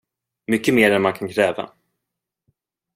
Mycket mer än man kan kräva.